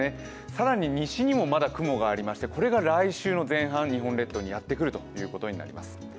更に西にもまだ雲がありましてこれが来週の前半日本列島にやってくるということになります。